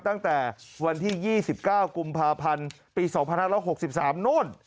ตั้งแต่วันที่๒๙กุมภาพันธ์ปี๒๕๖๓โน่น